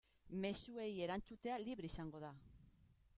Mezuei erantzutea libre izango da.